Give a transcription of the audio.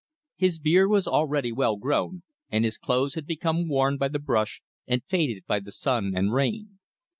His beard was already well grown, and his clothes had become worn by the brush and faded by the sun and rain.